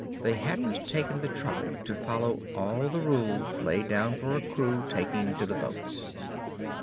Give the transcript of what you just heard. They hadn't taken the trouble to follow all the rules laid down for a crew taking to the boats.